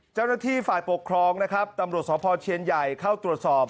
เจ้าหน้าที่ฝ่ายปกครองนะครับตำรวจสพเชียนใหญ่เข้าตรวจสอบ